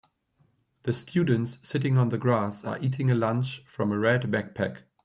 The students sitting on the grass are eating a lunch from a red backpack.